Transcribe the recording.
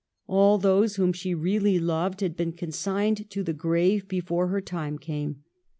All those whom she really loved had been consigned to the grave before her time came.